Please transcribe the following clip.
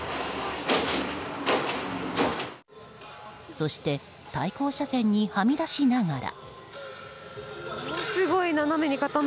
そして対向車線にはみ出しながら。